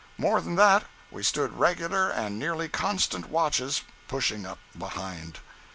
More than that, we stood regular and nearly constant watches pushing up behind.